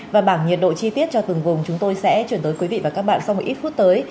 và bảng nhiệt độ chi tiết cho từng vùng chúng tôi sẽ chuyển tới quý vị và các bạn sau một ít phút tới